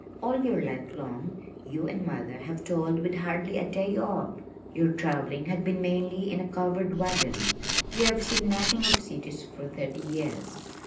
"All your life long you and mother have toiled with hardly a day off. Your travelling has been mainly in a covered wagon. You have seen nothing of cities for thirty years.